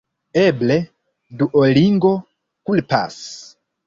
Eble Duolingo kulpas.